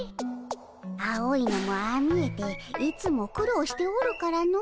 青いのもああ見えていつもくろうしておるからの。